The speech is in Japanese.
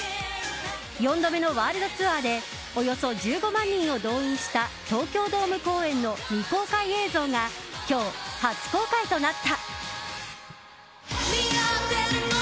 ４度目のワールドツアーでおよそ１５万人を動員した東京ドーム公演の未公開映像が今日、初公開となった。